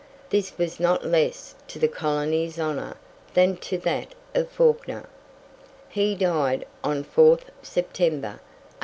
This was not less to the colony's honour than to that of Fawkner. He died on 4th September, 1869.